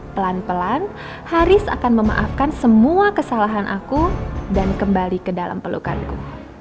pelan pelan haris akan memaafkan semua kesalahan aku dan kembali ke dalam pelukanku